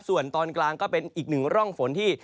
ส่วนตอนกลางก็เป็นอีกหนึ่งร่องฝนที่